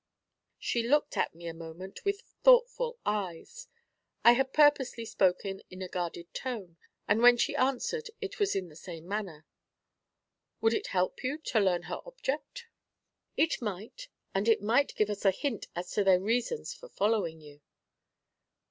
She looked at me a moment with thoughtful eyes. I had purposely spoken in a guarded tone, and when she answered it was in the same manner. 'Would it help you to learn her object?' 'It might, and it might give us a hint as to their reasons for following you.'